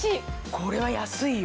これは安いよ。